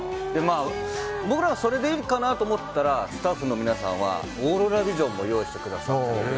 僕らはそれでいいかなと思ったらスタッフの皆さんはオーロラビジョンも用意してくださって。